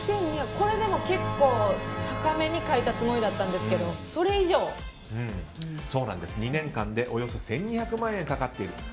これでも結構少なめに書いたつもりだったんですけど２年間でおよそ１２００万円かかっていると。